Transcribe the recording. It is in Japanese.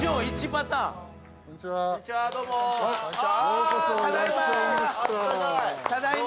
あただいま。